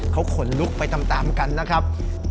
เขาขนลุกไปตามกันนะครับ